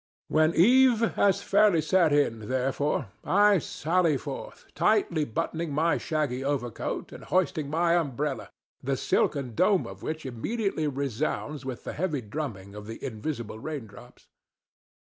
When eve has fairly set in, therefore, I sally forth, tightly buttoning my shaggy overcoat and hoisting my umbrella, the silken dome of which immediately resounds with the heavy drumming of the invisible raindrops.